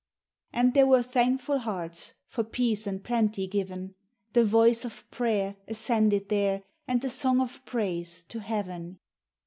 And there were thankful hearts For peace and plenty given; The voice of prayer Ascended there And the song of praise to heaven.